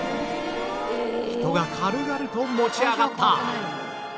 人が軽々と持ち上がった